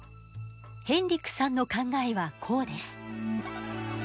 ヘンリックさんの考えはこうです。